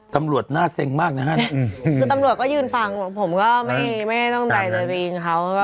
ตำรวจน่าเซ็งมากนะฮะคือตำรวจก็ยืนฟังผมก็ไม่ได้ตั้งใจเลยไปยิงเขา